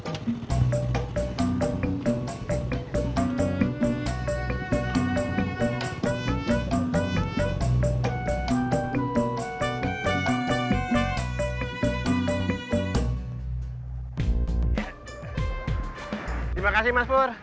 terima kasih mas pur